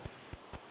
tidak akan berhasil